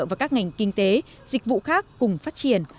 và các ngành kinh tế dịch vụ khác cùng phát triển